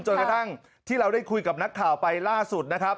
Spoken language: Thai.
จนกระทั่งที่เราได้คุยกับนักข่าวไปล่าสุดนะครับ